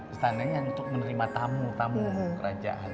istananya untuk menerima tamu tamu kerajaan